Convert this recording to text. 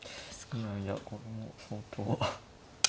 いやいやこれも相当。